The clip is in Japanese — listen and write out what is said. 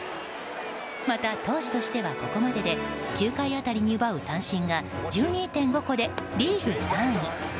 また投手としてはここまでで９回当たりに奪う三振が１２．５個でリーグ３位。